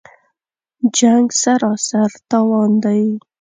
جـنګ سراسر تاوان دی